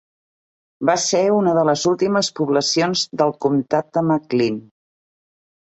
Va ser una de les últimes poblacions del comtat de McLean.